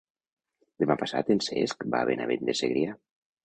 Demà passat en Cesc va a Benavent de Segrià.